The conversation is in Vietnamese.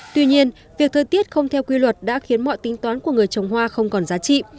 tuy nhiên việc thời tiết không theo quy luật đã khiến mọi tính toán của người trồng hoa không còn giá trị